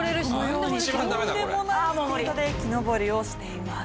このようにとんでもないスピードで木登りをしています。